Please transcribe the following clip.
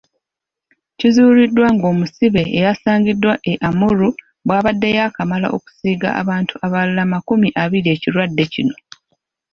Kizuuliddwa ng'omusibe eyasangiddwa e Amuru bw'abadde yaakamala okusiiga abantu abalala makumi abiri ekirwadde kino.